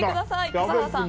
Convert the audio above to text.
笠原さん